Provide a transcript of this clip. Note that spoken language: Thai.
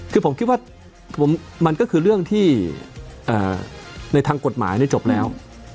คือผมคิดว่ามันก็คือเรื่องที่ในทางกฎหมายจบแล้ว